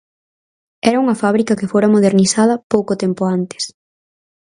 Era unha fábrica que fora modernizada pouco tempo antes.